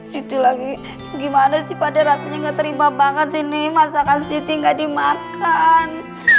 titik lagi gimana sih pada ratenya enggak terima banget ini masakan siti enggak dimakan